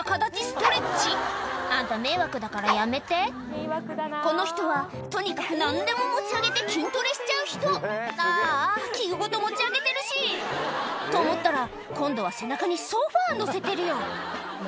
ストレッチあんた迷惑だからやめてこの人はとにかく何でも持ち上げて筋トレしちゃう人あぁあぁ器具ごと持ち上げてるしと思ったら今度は背中にソファのせてるよ